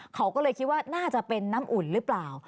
เขาก็เลยคิดว่าน่าจะเป็นน้ำอุ่นหรือเปล่า